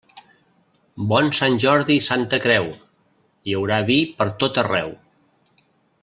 Bon Sant Jordi i Santa Creu, hi haurà vi pertot arreu.